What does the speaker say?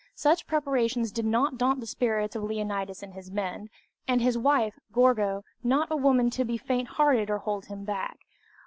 Such preparations did not daunt the spirits of Leonidas and his men, and his wife, Gorgo, not a woman to be faint hearted or hold him back.